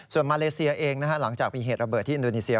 ส่วนมาเลเซียเองหลังจากมีเหตุระเบิดที่อินโดนีเซีย